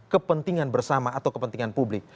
kepentingan bersama atau kepentingan publik